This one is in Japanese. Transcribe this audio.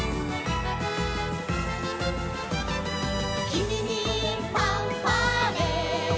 「君にファンファーレ」